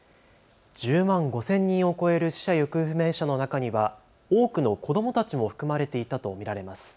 １０万５０００人を超える死者・行方不明者の中には多くの子どもたちも含まれていたと見られます。